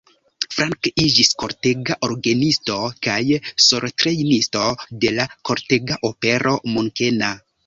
Frank iĝis kortega orgenisto kaj solotrejnisto de la kortega opero munkena.